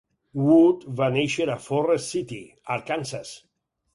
Wood va néixer a Forrest City, Arkansas.